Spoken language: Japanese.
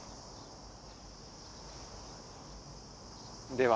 では。